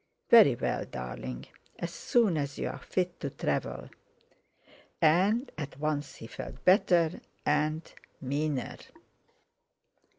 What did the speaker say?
"Very well, darling. As soon as you're fit to travel" And at once he felt better, and—meaner.